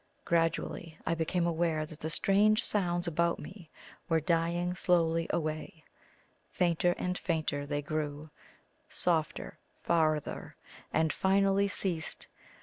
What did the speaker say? Gradually I became aware that the strange sounds about me were dying slowly away; fainter and fainter they grew softer farther and finally ceased.